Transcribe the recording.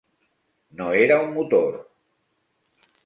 No era un motor.